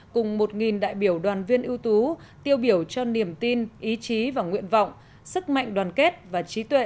cùng một đại biểu đoàn viên ưu tú tiêu biểu cho niềm tin ý chí và nguyện vọng sức mạnh đoàn kết và trí tuệ